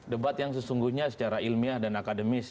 debat yang sesungguhnya secara ilmiah dan akademis